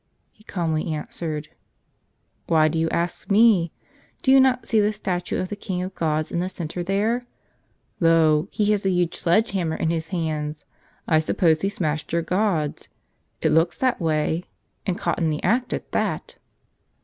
he calmly answered: "Why do you ask me? Do you not see the statue of the king of gods in the center there? Lo! he has a huge sledge hammer in his hands. I suppose he smashed your gods. It looks that way — and caught in the act at that!"